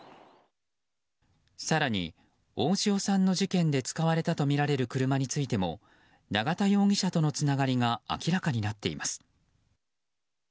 更に、大塩さんの事件で使われたとみられる車についても永田容疑者とのつながりが明らかになっています。